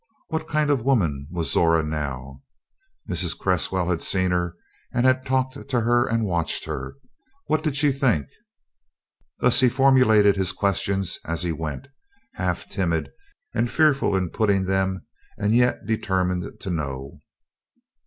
What kind of a woman was Zora now? Mrs. Cresswell had seen her and had talked to her and watched her. What did she think? Thus he formulated his questions as he went, half timid, and fearful in putting them and yet determined to know.